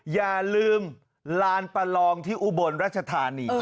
อย่าลืมลานประลองที่อุบลรัชธานี